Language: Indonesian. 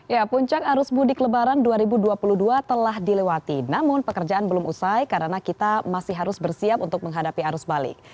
ya puncak arus budi kelebaran dua ribu dua puluh dua telah dilewati namun pekerjaan belum usai karena kita masih harus bersiap untuk menghadapi arus balik